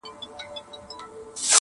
دا وړانګي له خلوته ستا یادونه تښتوي!.